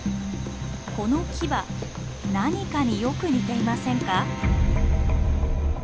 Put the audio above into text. このキバ何かによく似ていませんか？